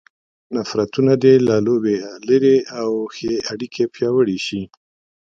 نفرتونه دې له لوبې لیرې او ښې اړیکې پیاوړې شي.